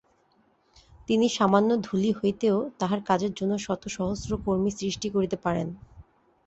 তিনি সামান্য ধূলি হইতেও তাঁহার কাজের জন্য শত সহস্র কর্মী সৃষ্টি করিতে পারেন।